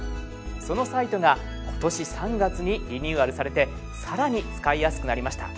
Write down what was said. そのサイトが今年３月にリニューアルされて更に使いやすくなりました。